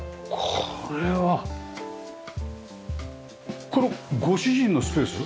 これはご主人のスペース？